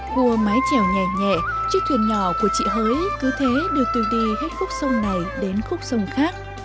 hua mái trèo nhẹ nhẹ chiếc thuyền nhỏ của chị hới cứ thế đưa tôi đi hết khúc sông này đến khúc sông khác